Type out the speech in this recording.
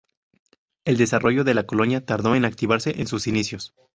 El desarrollo de la colonia tardó en activarse en sus inicios.